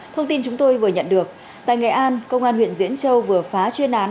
thông tin chúng tôi vừa nhận được tại nghệ an công an huyện diễn châu vừa phá chuyên án